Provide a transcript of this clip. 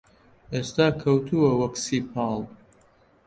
ئێستا کەوتووە وەک سیپاڵ